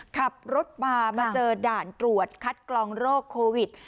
ขับรถมามาเจอด่านตรวจคัดกรองโรคโควิด